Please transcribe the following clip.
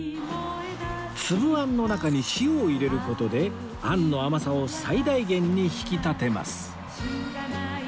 粒あんの中に塩を入れる事であんの甘さを最大限に引き立てます